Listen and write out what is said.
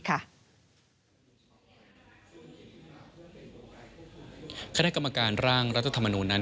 คณะกรรมการร่างรัฐธรรมนูลนั้น